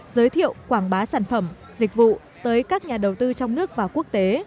giới thiệu quảng bá sản phẩm dịch vụ tới các nhà đầu tư trong nước và quốc tế